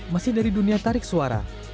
masih dari dunia tarik suara